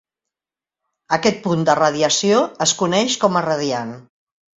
Aquest punt de radiació es coneix com a radiant.